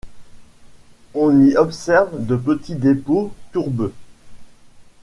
On y observe de petits dépôts tourbeux.